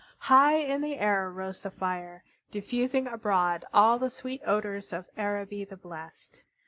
High in the air rose the fire, diffusing abroad all the sweet odors of Araby the blest.